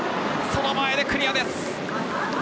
その前でクリアです。